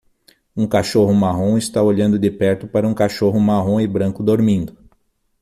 Um cachorro marrom está olhando de perto para um cachorro marrom e branco dormindo.